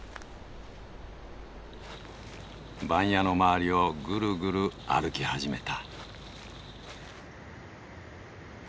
番屋の周りをぐるぐる歩き始めた。